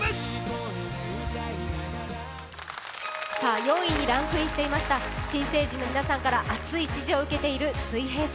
４位にランクインしていました新成人の皆さんから熱い支持を受けている「水平線」。